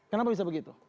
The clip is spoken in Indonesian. kenapa bisa begitu